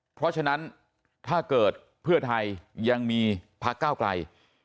เพราะฉะนั้นถ้าเกิดเพื่อไทยยังมีพักก้าวไกล